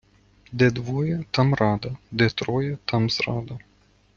Де двоє, там рада, де троє, там зрада.